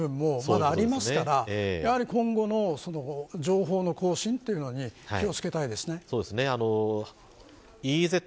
分からない部分もまだありますからやはり、今後の情報の更新というのに気を付けたいですね。